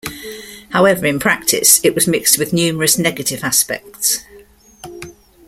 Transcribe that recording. However, in practice it was mixed with numerous negative aspects.